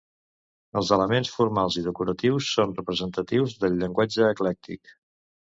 Els elements formals i decoratius són representatius del llenguatge eclèctic.